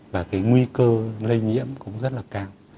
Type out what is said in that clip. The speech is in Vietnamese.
và cái nguy cơ lây nhiễm cũng rất là cao